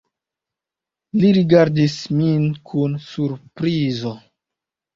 Li rigardis min kun surprizo.